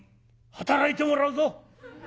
働いてもらうぞ」。